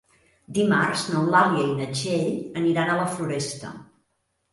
Dimarts n'Eulàlia i na Txell aniran a la Floresta.